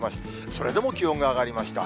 それでも気温が上がりました。